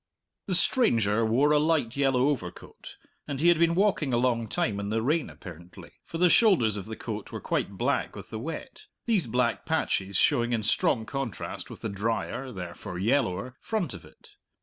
The stranger wore a light yellow overcoat, and he had been walking a long time in the rain apparently, for the shoulders of the coat were quite black with the wet, these black patches showing in strong contrast with the dryer, therefore yellower, front of it.